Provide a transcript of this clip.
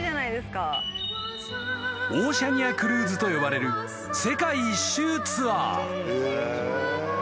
［オーシャニアクルーズと呼ばれる世界一周ツアー］